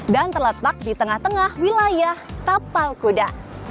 dan terletak di tengah tengah wilayah kapal kuda